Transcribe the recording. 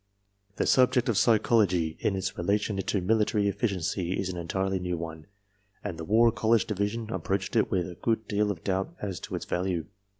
"... This subject of psychology in its relation to military efficiency is an entirely new one, and the War College Division approached it with a good deal of doubt as to its value.